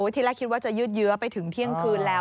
ที่แรกคิดว่าจะยืดเยื้อไปถึงเที่ยงคืนแล้ว